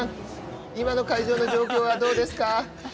今の会場の状況はどうですか？